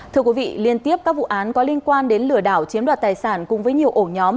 thưa quý vị liên tiếp các vụ án có liên quan đến lừa đảo chiếm đoạt tài sản cùng với nhiều ổ nhóm